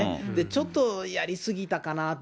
ちょっとやりすぎたかなって。